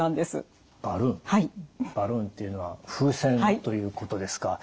バルーンというのは風船ということですか。